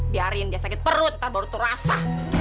biarin dia sakit perut ntar baru terasa